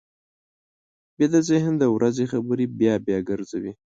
ویده ذهن د ورځې خبرې بیا بیا ګرځوي